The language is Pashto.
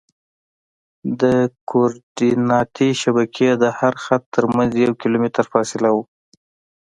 د کورډیناتي شبکې د هر خط ترمنځ یو کیلومتر فاصله وي